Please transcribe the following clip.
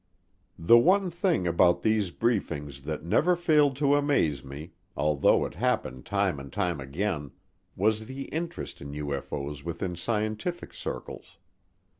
The one thing about these briefings that never failed to amaze me, although it happened time and time again, was the interest in UFO's within scientific circles.